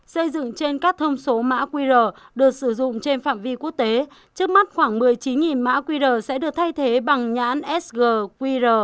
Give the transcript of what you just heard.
xây dựng trên các thông số mã qr được sử dụng trên phạm vi quốc tế trước mắt khoảng một mươi chín mã qr sẽ được thay thế bằng nhãn sgqr